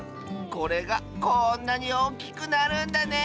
これがこんなにおおきくなるんだね！